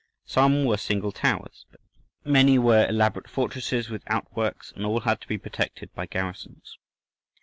Some were single towers, but many were elaborate fortresses with outworks, and all had to be protected by garrisons.